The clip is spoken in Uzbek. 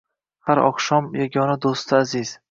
Har oqshom yagona do’sti aziz